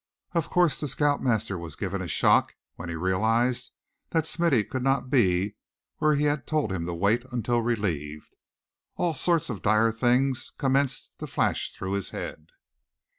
Of course the scout master was given a shock when he realized that Smithy could not be where he had told him to wait until relieved. All sorts of dire things commenced to flash through his head.